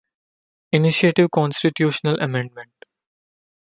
Initiative constitutional amendment.